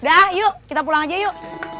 dah yuk kita pulang aja yuk